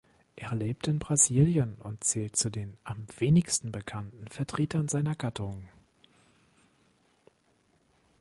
Er lebt in Brasilien und zählt zu den am wenigsten bekannten Vertretern seiner Gattung.